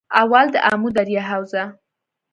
اول- دآمو دریا حوزه